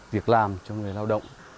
việc làm cho người lao động